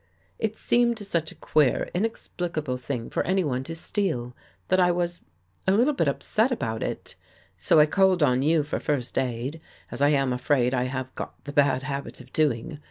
" It seemed such a queer, inexplicable thing for anyone to steal, that I was — a little bit upset about it. So I called on you for First Aid, as I am afraid I have got the bad habit of doing.